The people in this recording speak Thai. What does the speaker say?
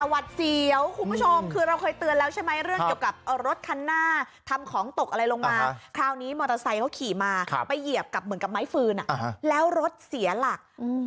วัดเสียวคุณผู้ชมคือเราเคยเตือนแล้วใช่ไหมเรื่องเกี่ยวกับรถคันหน้าทำของตกอะไรลงมาคราวนี้มอเตอร์ไซค์เขาขี่มาไปเหยียบกับเหมือนกับไม้ฟืนแล้วรถเสียหลัก